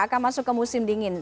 akan masuk ke musim dingin